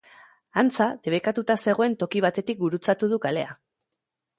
Antza, debekatuta zegoen toki batetik gurutzatu du kalea.